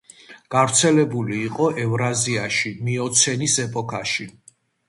გავრცელებული იყო ევრაზიაში მიოცენის ეპოქაში.